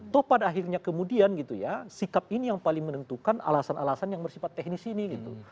toh pada akhirnya kemudian gitu ya sikap ini yang paling menentukan alasan alasan yang bersifat teknis ini gitu